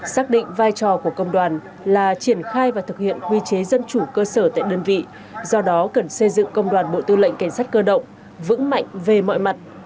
xác định vai trò của công đoàn là triển khai và thực hiện quy chế dân chủ cơ sở tại đơn vị do đó cần xây dựng công đoàn bộ tư lệnh cảnh sát cơ động vững mạnh về mọi mặt